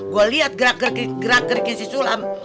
gue liat gerak gerikin si sulam